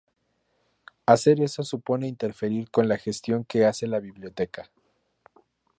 Hacer eso supone interferir con la gestión que hace la biblioteca.